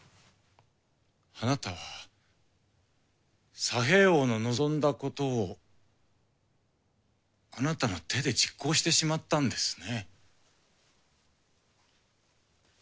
あなたは佐兵衛翁の望んだことをあなたの手で実行してしまったんですね。